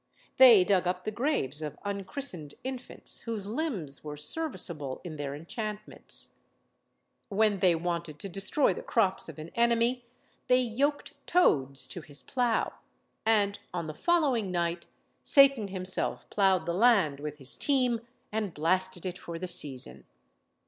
They dug up the graves of unchristened infants, whose limbs were serviceable in their enchantments. When they wanted to destroy the crops of an enemy, they yoked toads to his plough, and on the following night Satan himself ploughed the land with his team, and blasted it for the season.